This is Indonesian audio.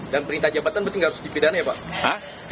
dan perintah jabatan pasti gak harus dipedana ya pak